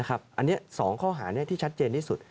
อันนี้๒ข้อหาที่ชัดเจนที่สุด